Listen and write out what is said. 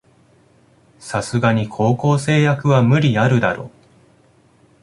さすがに高校生役は無理あるだろ